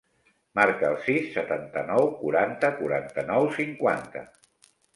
Marca el sis, setanta-nou, quaranta, quaranta-nou, cinquanta.